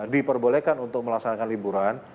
diperbolehkan untuk melaksanakan liburan